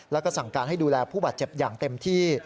แล้วก็สั่งการให้ดูแลผู้บาดเจ็บอย่างเต็มที่